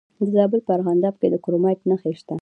د زابل په ارغنداب کې د کرومایټ نښې شته.